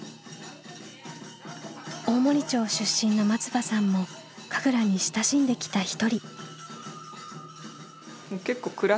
大森町出身の松場さんも神楽に親しんできた一人。